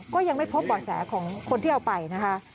ก็ยังไม่พบบ่อแสของคนที่เอาไปนะคะ